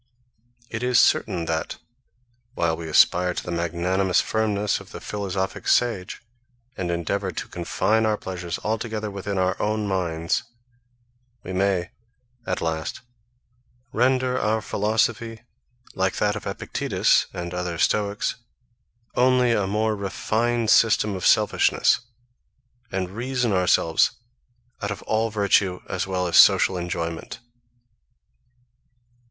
It is certain that, while we aspire to the magnanimous firmness of the philosophic sage, and endeavour to confine our pleasures altogether within our own minds, we may, at last, render our philosophy like that of Epictetus, and other Stoics, only a more refined system of selfishness, and reason ourselves out of all virtue as well as social enjoyment.